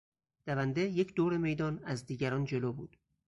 دونده یک دور میدان از دیگران جلو بود.